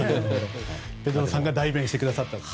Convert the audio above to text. ペドロさんが代弁してくださったと。